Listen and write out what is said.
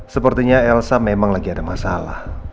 sepertinya elsa memang lagi ada masalah